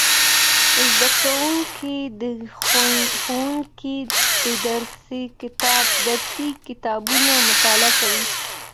زدهکوونکي د ښوونځي د درسي کتابونو مطالعه کوي.